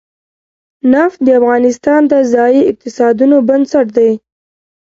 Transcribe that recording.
نفت د افغانستان د ځایي اقتصادونو بنسټ دی.